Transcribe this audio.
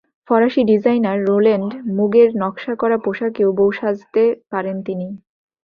ফরাসি designer Roland মুগের নকশা করা পোশাকেও বউ সাজতে পারেন তিনি।